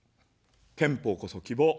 憲法こそ希望。